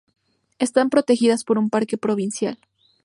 Están protegidas por un parque provincial.